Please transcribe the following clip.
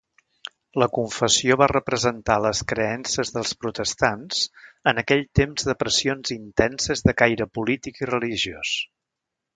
La confessió va representar les creences dels protestants en aquell temps de pressions intenses de caire polític i religiós.